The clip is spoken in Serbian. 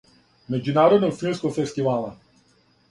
Међународног филмског фестивала.